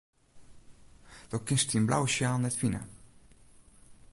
Do kinst dyn blauwe sjaal net fine.